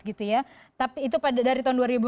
gitu ya tapi itu dari tahun